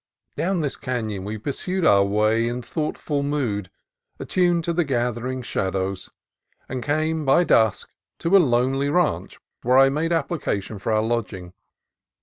Down this canon we pursued our way in thoughtful mood at tuned to the gathering shadows, and came by dusk to a lonely ranch where I made application for our lodging.